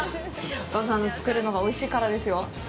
お父さんの作るのがおいしいからですよ。